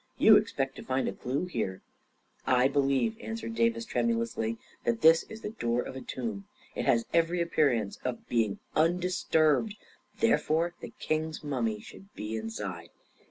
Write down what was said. " You expect to find a clue here ?"" I believe," answered Davis, tremulously, " that this is the door of a tomb ; it has every appearance of being undisturbed; therefore the king's mummy should be inside.